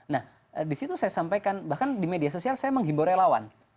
nah disitu saya sampaikan bahkan di media sosial saya menghimbau relawan